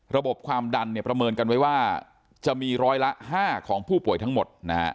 ความดันประเมินกันไว้ว่าจะมีร้อยละ๕ของผู้ป่วยทั้งหมด